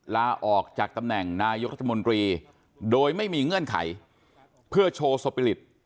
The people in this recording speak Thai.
ลาออกจากตำแหน่งนายกรัฐมนตรีโดยไม่มีเงื่อนไขเพื่อโชว์สปิริต